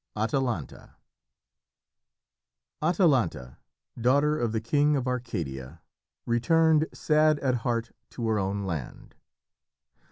ATALANTA Atalanta, daughter of the king of Arcadia, returned sad at heart to her own land.